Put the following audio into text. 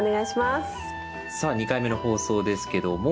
さあ２回目の放送ですけども。